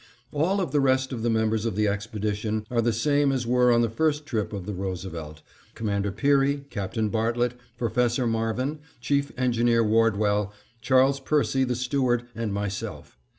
All of the rest of the members of the expedition are the same as were on the first trip of the Roosevelt: Commander Peary, Captain Bartlett, Professor Marvin, Chief Engineer Wardwell, Charley Percy the steward, and myself.